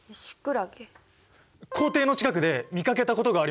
校庭の近くで見かけたことがあります。